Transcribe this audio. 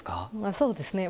そうですね。